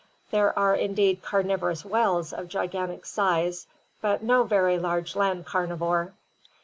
There are indeed carnivorous whales of gigantic size, but no very large land carnivore.